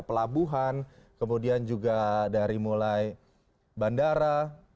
pelabuhan kemudian juga dari mulai bandara